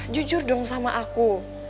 jujur dong sama aku